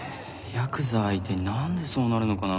ヤクザ相手に何でそうなるのかな？